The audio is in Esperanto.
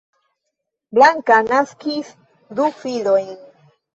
Blanka naskis du filinojn.